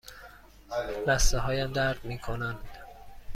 لثه هایم درد می کنند.